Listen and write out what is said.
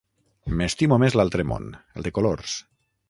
M'estimo més l'altre món, el de colors.